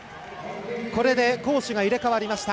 これで攻守が入れ代わりました。